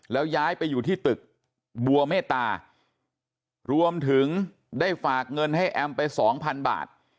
แล้วย้ายไปอยู่ที่ตึกบัวเมตตารวมถึงได้ฝากเงินให้แอมไปสองพันบาท